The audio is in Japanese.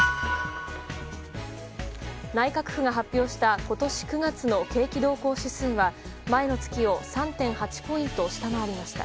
内閣府が発表した今年９月の景気動向指数は前の月を３．８ポイント下回りました。